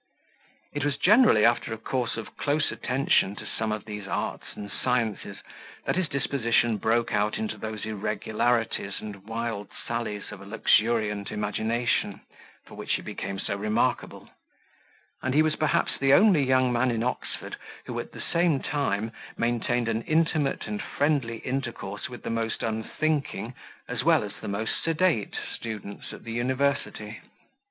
It was generally after a course of close attention to some of these arts and sciences, that his disposition broke out into those irregularities and wild sallies of a luxuriant imagination, for which he became so remarkable; and he was perhaps the only young man in Oxford who, at the same time, maintained an intimate and friendly intercourse with the most unthinking, as well as the most sedate students at the university.